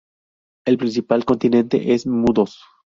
El principal continente es Mudos.